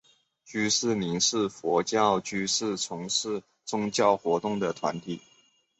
居士林是佛教居士从事宗教活动的团体。